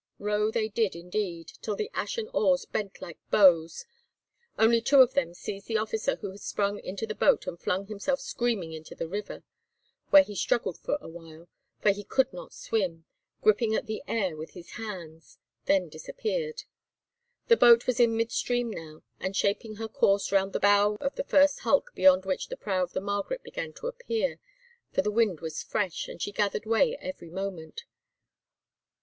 Row they did indeed, till the ashen oars bent like bows, only two of them seized the officer who had sprung into the boat and flung him screaming into the river, where he struggled a while, for he could not swim, gripping at the air with his hands, then disappeared. The boat was in mid stream now, and shaping her course round the bow of the first hulk beyond which the prow of the Margaret began to appear, for the wind was fresh, and she gathered way every moment.